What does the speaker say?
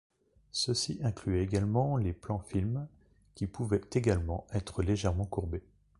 Ceci incluait également les plans-films, qui pouvaient également être légèrement courbés.